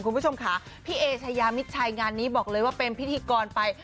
คุณผู้ชมค่ะพี่เอชายามิดชัยงานนี้บอกเลยว่าเป็นพิธีกรไป